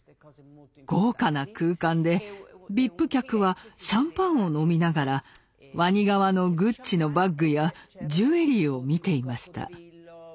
豪華な空間でＶＩＰ客はシャンパンを飲みながらわに皮のグッチのバッグやジュエリーを見ていました。